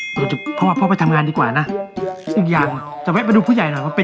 เดี๋ยวพ่อไปทำงานดีกว่านะอีกอย่างจะแวะไปดูผู้ใหญ่หน่อยว่าเป็น